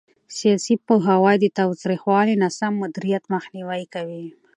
سیاسي پوهاوی د تاوتریخوالي او ناسم مدیریت مخنیوي کوي